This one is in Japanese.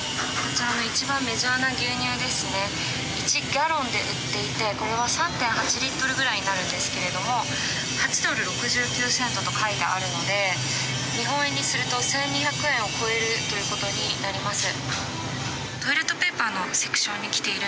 １ガロンで売っていてこれは３．８リットルぐらいになるんですけれども「８ドル６９セント」と書いてあるので日本円にすると１２００円を超えるという事になります。